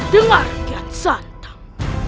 dengar gat santam